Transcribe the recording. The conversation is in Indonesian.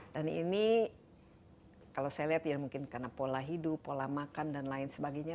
ini kalau saya lihat ya mungkin karena pola hidup pola makan dan lain sebagainya